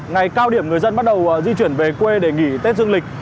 ngày cao điểm người dân bắt đầu di chuyển về quê để nghỉ tết dương lịch